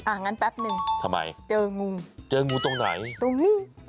น่ะมันแป๊ปนึงเจองูตรงไหนตรงตรงหน้า